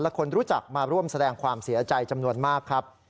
และคนรู้จักมาร่วมแสดงความเสียใจจำนวนมากครับ